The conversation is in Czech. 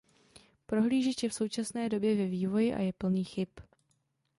Prohlížeč je v současné době ve vývoji a je plný chyb.